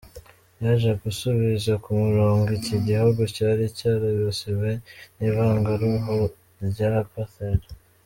Yaje gusubiza ku murongo iki gihugu cyari cyaribasiwe n’ivanguraruhu ry’apartheid.